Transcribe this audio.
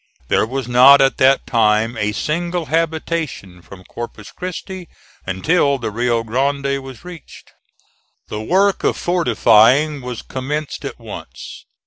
There was not at that time a single habitation from Corpus Christi until the Rio Grande was reached. The work of fortifying was commenced at once.